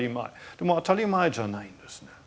でも当たり前じゃないんですね。